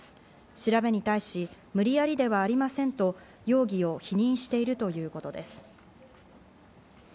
調べに対し、無理やりではありませんと容疑を否認しているということです。